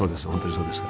そうですよ。